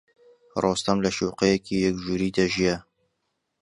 ڕۆستەم لە شوقەیەکی یەک ژووری دەژیا.